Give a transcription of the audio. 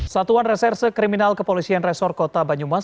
satuan reserse kriminal kepolisian resor kota banyumas